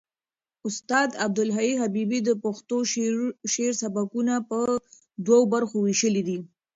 استاد عبدالحی حبیبي د پښتو شعر سبکونه په دوو برخو وېشلي دي.